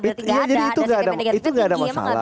berarti gak ada sentimen negatif itu tinggi